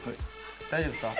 大丈夫ですか？